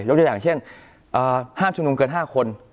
ยกยังอย่างเช่นห้ามชุดลงเกิน๕คน